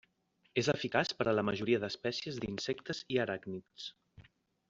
És eficaç per a la majoria d'espècies d'insectes i aràcnids.